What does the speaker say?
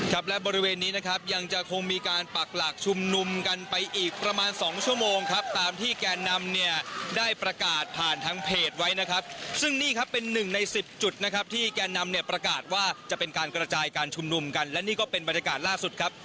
ครับและบริเวณนี้นะครับยังจะคงมีการปักหลักชุมนุมกันไปอีกประมาณสองชั่วโมงครับตามที่แกนนำเนี่ยได้ประกาศผ่านทางเพจไว้นะครับซึ่งนี่ครับเป็นหนึ่งในสิบจุดนะครับที่แกนนำเนี่ยประกาศว่าจะเป็นการกระจายการชุมนุมกันและนี่ก็เป็นบรรยากาศล่าสุดครับ